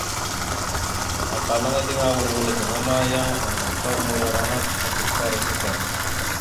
Afalaŋa eɗeŋa awal wal gaŋa ma, yan oŋgov ta morara naɗ a duktar da.